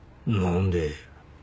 何で？